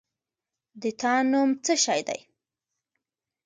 د تا نوم څه شی ده؟